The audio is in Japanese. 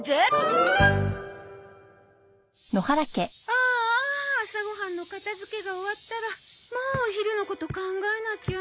ああ朝ご飯の片付けが終わったらもうお昼のこと考えなきゃ。